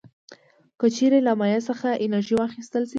که چیرې له مایع څخه انرژي واخیستل شي.